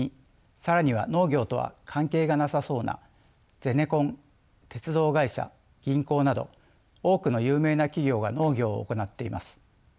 更には農業とは関係がなさそうなゼネコン鉄道会社銀行など多くの有名な企業が農業を行っています。